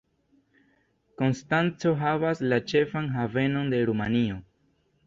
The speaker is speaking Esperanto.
Konstanco havas la ĉefan havenon de Rumanio.